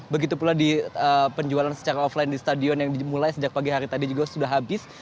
begitu pula di penjualan secara offline di stadion yang dimulai sejak pagi hari tadi juga sudah habis